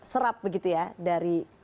serap begitu ya dari